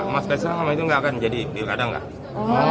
mas pesang sama itu enggak akan jadi biar kadang enggak